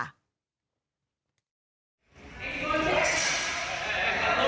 มาเลยอ่ะ